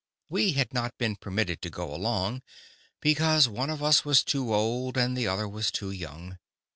We had not been permitted to go along, because one of us was too old and the other was too young.